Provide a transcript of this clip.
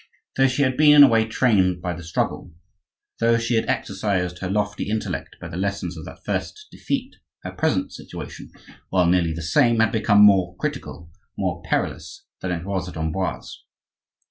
Though she had been in a way trained by the struggle, though she had exercised her lofty intellect by the lessons of that first defeat, her present situation, while nearly the same, had become more critical, more perilous than it was at Amboise.